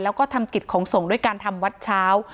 แล้วก็ทำกิจของส่งด้วยการทำวัดเช้า